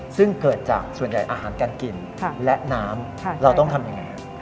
ซึ่งเกิดจากส่วนใหญ่อาหารการกินและน้ำเราต้องทำยังไง